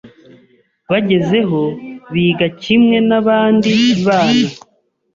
bagezeho biga kimwe n’abandi bana.